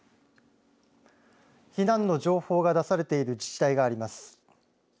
避難の情報が出されている自治体があります。